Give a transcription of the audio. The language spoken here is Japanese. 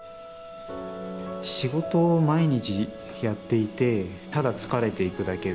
仕事毎日やっていてただ疲れていくだけで。